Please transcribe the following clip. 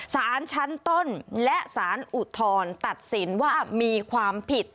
สารชั้นต้นและสารอุทธรณ์ตัดสินว่ามีความผิด